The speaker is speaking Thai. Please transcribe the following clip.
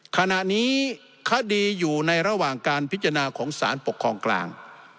ขณะนี้คดีอยู่ในระหว่างการพิจารณาของสารปกครองกลาง